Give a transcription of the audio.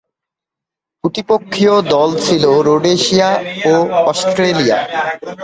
প্রতিপক্ষীয় দল ছিল রোডেশিয়া ও অস্ট্রেলিয়া।